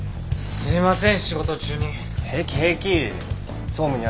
すいません。